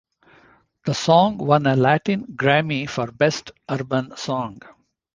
The song won a Latin Grammy for Best Urban Song.